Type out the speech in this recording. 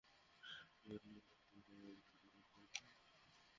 একটু বেখেয়াল থাকলে খাওয়ার সময় নিজেকে চতুষ্পদ প্রাণী বলে মনে হয়।